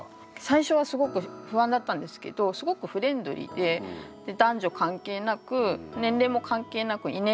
最初はすごく不安だったんですけどすごくフレンドリーで男女関係なく年齢も関係なく異年齢で遊ぶなんか空気があって。